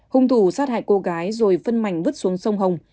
hung thủ sát hại cô gái rồi phân mảnh vứt xuống sông hồng